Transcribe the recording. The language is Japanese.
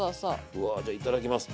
うわじゃあいただきます。